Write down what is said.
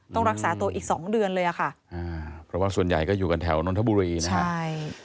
ต้องรักษาตัวอีกสองเดือนเลยอะค่ะเพราะว่าส่วนใหญ่ก็อยู่กันแถวนนทบุรีนะฮะใช่